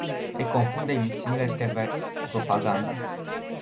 Ei confundă emisiunile te ve cu propaganda.